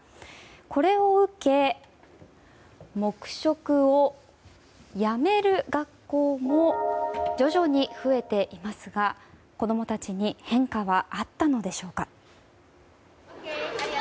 これを受け、黙食をやめる学校も徐々に増えていますが子供たちに変化はあったのでしょうか。